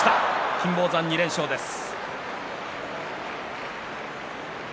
金峰山２連勝です。